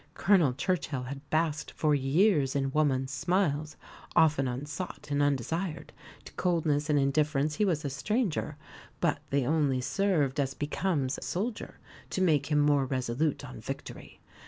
Colonel Churchill had basked for years in woman's smiles, often unsought and undesired; to coldness and indifference he was a stranger; but they only served, as becomes a soldier, to make him more resolute on victory.